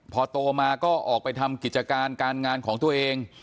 พอโตมาก็ออกไปทำกิจการการงานของตัวเอง